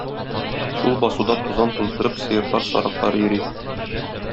Шул басуда тузан туздырып сыерлар-сарыклар йөри.